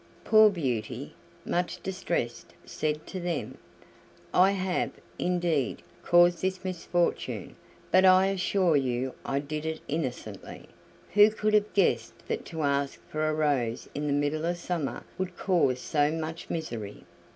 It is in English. Poor Beauty, much distressed, said to them: "I have, indeed, caused this misfortune, but I assure you I did it innocently. Who could have guessed that to ask for a rose in the middle of summer would cause so much misery?